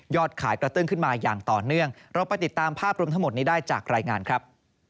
ขายกระตึ้งขึ้นมาอย่างต่อเนื่องเราไปติดตามภาพรวมทั้งหมดนี้ได้จากรายงานครับ